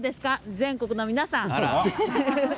全国の皆さん